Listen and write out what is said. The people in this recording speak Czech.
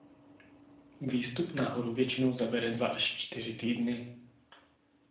Výstup na horu většinou zabere dva až čtyři týdny.